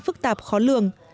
phức tạp khó lường